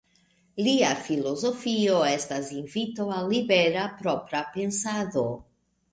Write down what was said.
Lia filozofio estas invito al libera, propra, pensado.